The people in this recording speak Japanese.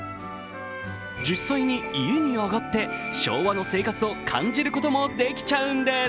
実際に家に上がって昭和の生活を感じることもできちゃうんです。